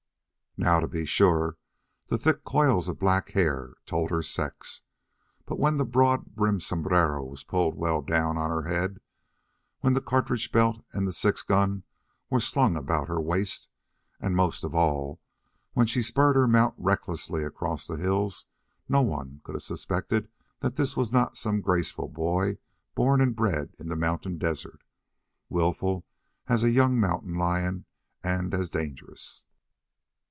Now, to be sure, the thick coils of black hair told her sex, but when the broad brimmed sombrero was pulled well down on her head, when the cartridge belt and the six gun were slung about her waist, and most of all when she spurred her mount recklessly across the hills no one could have suspected that this was not some graceful boy born and bred in the mountain desert, willful as a young mountain lion, and as dangerous.